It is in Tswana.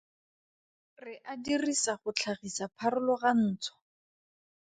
Re a dirisa go tlhagisa pharologantsho.